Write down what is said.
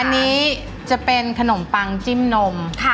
อันนี้จะเป็นขนมปังจิ้มนม